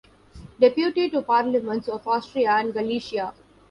Deputy to parliaments of Austria and Galicia.